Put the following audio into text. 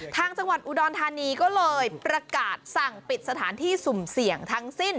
จังหวัดอุดรธานีก็เลยประกาศสั่งปิดสถานที่สุ่มเสี่ยงทั้งสิ้น